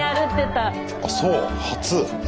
あそう初。